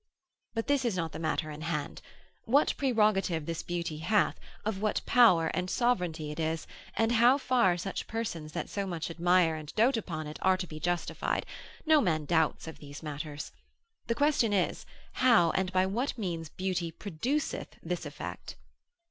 But this is not the matter in hand; what prerogative this beauty hath, of what power and sovereignty it is, and how far such persons that so much admire, and dote upon it, are to be justified; no man doubts of these matters; the question is, how and by what means beauty produceth this effect?